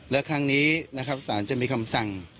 และครั้งนี้ศาลจะมีคำสั่ง